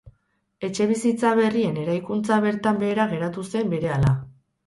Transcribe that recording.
Etxebizitza berrien eraikuntza bertan behera geratu zen berehala.